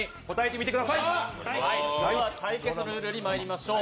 では、対決ルールにまいりましょう。